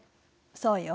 そうよ。